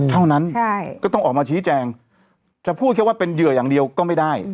เท่านั้นก็ต้องออกมาชี้แจงจะพูดแค่ว่าเป็นเหยื่ออย่างเดียวก็ไม่ได้